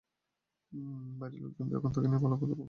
বাইরের লোকজন যখন তাকে নিয়ে ভালো কথা বলে, তখন ভালোই লাগে।